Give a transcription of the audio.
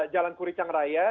jalan kuricang raya